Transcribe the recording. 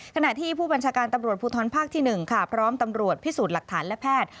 ขณะที่ผู้บัญชาการตำรวจภูทรภาคที่๑ค่ะพร้อมตำรวจพิสูจน์หลักฐานและแพทย์